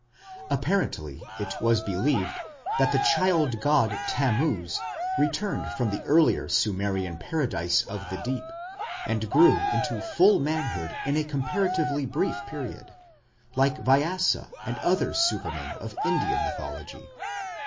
Apparently it was believed that the child god, Tammuz, returned from the earlier Sumerian Paradise of the Deep, and grew into full manhood in a comparatively brief period, like Vyasa and other super men of Indian mythology.